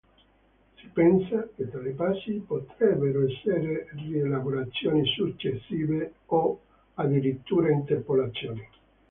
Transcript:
Si pensa che tali passi potrebbero essere rielaborazioni successive o addirittura interpolazioni.